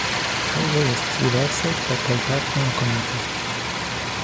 Kaŭzoj estas diversaj kaj plejparte nekonataj.